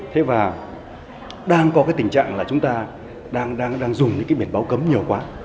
thế và đang có cái tình trạng là chúng ta đang dùng những cái biển báo cấm nhiều quá